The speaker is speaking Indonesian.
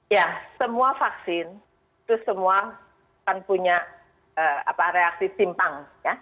ya semua vaksin itu semua akan punya reaksi simpang